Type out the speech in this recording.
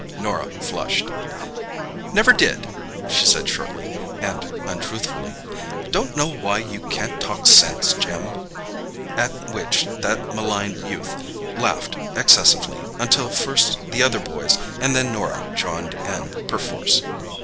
Norah flushed. "Never did," she said shortly, and untruthfully. "Don't know why you can't talk sense, Jim!"—at which that maligned youth laughed excessively, until first the other boys, and then Norah, joined in, perforce.